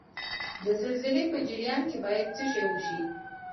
د زلزلې په جریان کې باید څه وشي؟